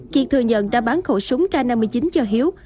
kiệt thừa nhận đã bán khẩu súng k năm mươi chín cho hiếu